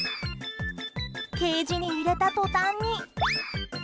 ケージに入れた途端に。